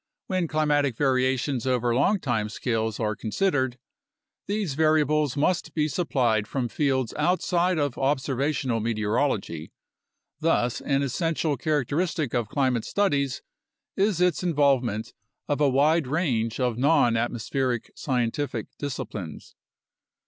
When climatic variations over long time scales are considered, these variables must be supplied from fields outside of observational meteorology. Thus, an essential characteristic of climate studies is its involvement of a wide range of nonatmospheric scientific disciplines.